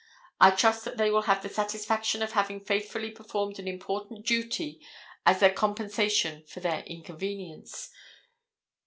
I trust that they will have the satisfaction of having faithfully performed an important duty as their compensation for this inconvenience.